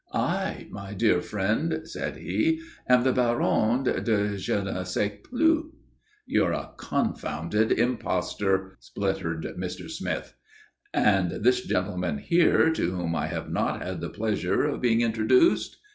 "I, my dear friend," said he, "am the Baron de Je ne Sais Plus." "You're a confounded impostor," spluttered Mr. Smith. "And this gentleman here to whom I have not had the pleasure of being introduced?"